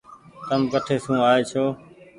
تم ڪٺي سون آئي ڇو۔